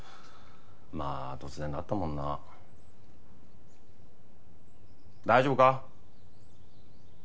まあ突然だったもんな。大丈夫か？